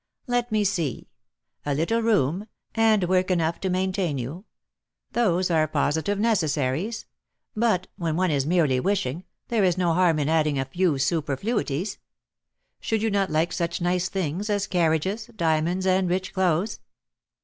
"Let me see: a little room, and work enough to maintain you, those are positive necessaries; but, when one is merely wishing, there is no harm in adding a few superfluities. Should you not like such nice things as carriages, diamonds, and rich clothes?"